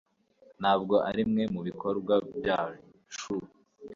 ntabwo arimwe mubikorwa byacu